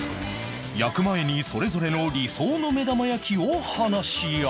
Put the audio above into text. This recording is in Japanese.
焼く前にそれぞれの理想の目玉焼きを話し合う